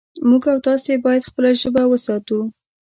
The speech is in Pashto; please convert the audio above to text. موږ او تاسې باید خپله ژبه وساتو